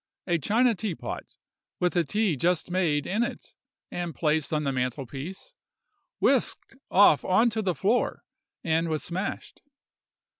A china teapot, with the tea just made in it, and placed on the mantel piece, whisked off on to the floor, and was smashed.